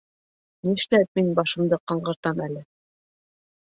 Нишләп мин башымды ҡаңғыртам әле...